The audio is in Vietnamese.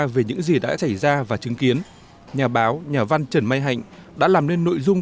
về những gì đã xảy ra và chứng kiến nhà báo nhà văn trần mai hạnh đã làm nên nội dung